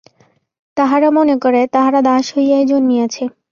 তাহারা মনে করে, তাহারা দাস হইয়াই জন্মিয়াছে।